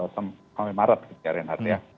sampai maret ya renat ya